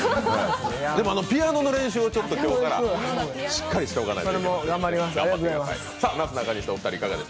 でもピアノの練習をここからしっかりしておかないと。